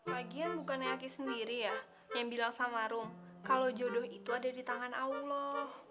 lagian bukannya aki sendiri ya yang bilang sama rum kalau jodoh itu ada di tangan allah